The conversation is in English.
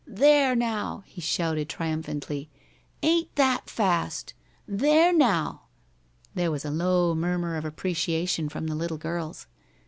"There, now!" he shouted, triumphantly. "Ain't that fast? There, now!" There was a low murmur of appreciation from the little girls.